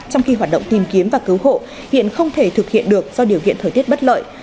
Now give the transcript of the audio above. trong khi hoạt động tìm kiếm và cứu hộ hiện không thể thực hiện được do điều kiện thời tiết bất lợi